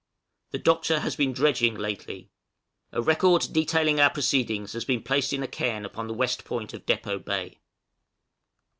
The Doctor has been dredging lately. A record detailing our proceedings has been placed in a cairn upon the west point of Depôt Bay.